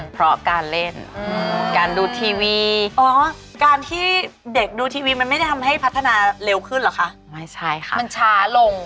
เพราะการเล่นการดูทีวีอ๋อการที่เด็กดูทีวีมันไม่ได้ทำให้พัฒนาเร็วขึ้นเหรอคะไม่ใช่ค่ะมันช้าลง